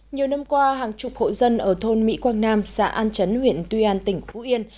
nhiều năm qua hàng chục hộ dân ở thôn mỹ quang nam xã an chấn huyện tuy an tỉnh phú yên